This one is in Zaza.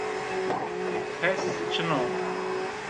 Kes çin o.